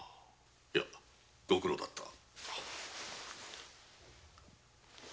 いやご苦労だった。